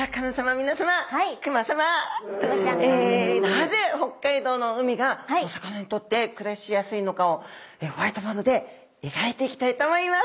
なぜ北海道の海がお魚にとって暮らしやすいのかをホワイトボードで描いていきたいと思います。